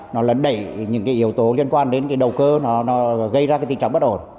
nó là đẩy những cái yếu tố liên quan đến cái đầu cơ nó gây ra cái tình trạng bất ổn